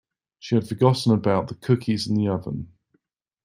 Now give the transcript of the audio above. She had forgotten about the cookies in the oven.